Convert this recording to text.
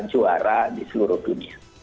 juara di seluruh dunia